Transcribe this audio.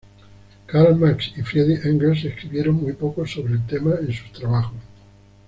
Karl Marx y Friedrich Engels escribieron muy poco sobre el tema en sus trabajos.